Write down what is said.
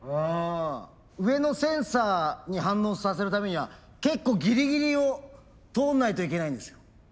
上のセンサーに反応させるためには結構ギリギリを通んないといけないんですよ。